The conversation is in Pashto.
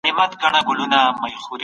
د جرګې په لوی تالار کي څوک خبري کوي؟